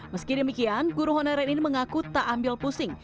meski demikian guru honorer ini mengaku tak ambil pusing